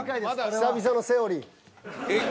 「久々のセオリー」。